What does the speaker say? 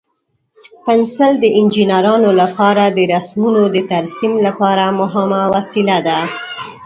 پنسل د انجینرانو لپاره د رسمونو د ترسیم لپاره مهم وسیله ده.